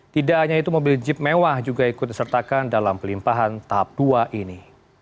tidak hanya itu mobil jeep mewah juga ikut disertakan dalam pelimpahan tahap dua ini